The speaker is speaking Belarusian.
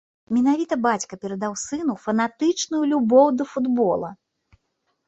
Менавіта бацька перадаў сыну фанатычную любоў да футбола.